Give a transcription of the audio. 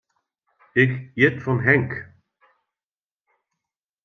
Ik hjit fan Henk.